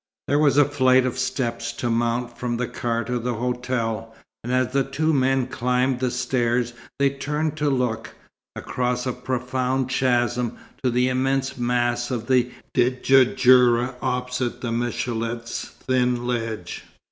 There was a flight of steps to mount from the car to the hotel, and as the two men climbed the stairs they turned to look, across a profound chasm, to the immense mass of the Djurdjura opposite Michélet's thin ledge.